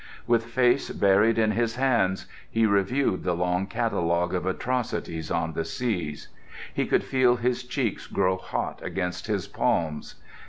With face buried in his hands he reviewed the long catalogue of atrocities on the seas. He could feel his cheeks grow hot against his palms.